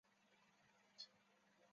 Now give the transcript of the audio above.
此说认为栾氏乃炎帝的后代。